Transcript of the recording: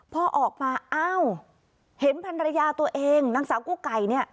พอออกมาอ้าวเห็นพันรยาตัวเองนางสาวกู้ไก่เนี่ย